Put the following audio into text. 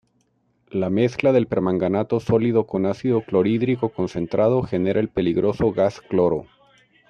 La mezcla del permanganato sólido con ácido clorhídrico concentrado genera el peligroso gas cloro.